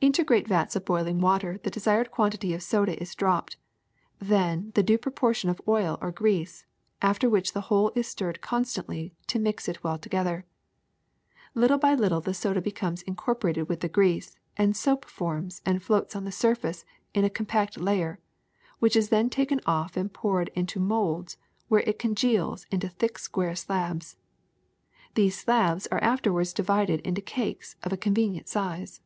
Into great vats of boiling water the desired quantity of soda is dropped, then the due proportion of oil or grease, after which the whole is stirred constantly to mix it well together. Little by little the soda be comes incorporated with the grease, and soap forms and floats on the surface in a compact layer, which is then taken off and poured into molds where it con geals in thick square slabs. These slabs are after ward divided into cakes of a convenient size.